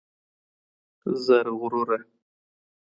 زرغروره